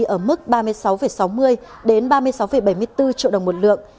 ở mức ba mươi sáu sáu mươi đến ba mươi sáu bảy mươi bốn triệu đồng một lượng